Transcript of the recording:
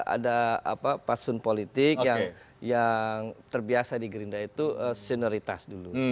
ada pasun politik yang terbiasa di gerindra itu senioritas dulu